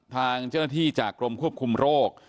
ทางเจ้าหน้าที่จากกรมควบคุมโรค